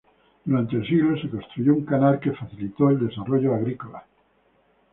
Durante el siglo se construyó un canal que facilitó el desarrollo agrícola.